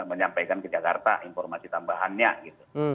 menyampaikan ke jakarta informasi tambahannya gitu